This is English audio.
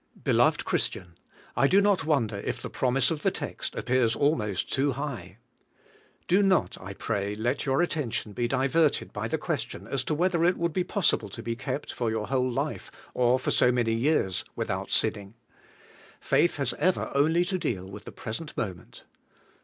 Beloved Christian! I do not wonder if the promise of the text appears almost too high. Do not, I pray, let your attention be diverted by the question as to 204 ABIDE IN CHRIST: « whether it would be possible to be kept for your whole life, or for so many years, without sinning. Faith has ever only to deal with the present moment.